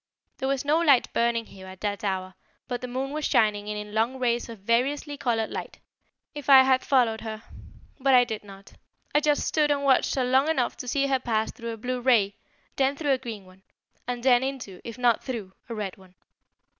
There was no light burning here at that hour, but the moon was shining in in long rays of variously coloured light. If I had followed her but I did not. I just stood and watched her long enough to see her pass through a blue ray, then through a green one, and then into, if not through, a red one.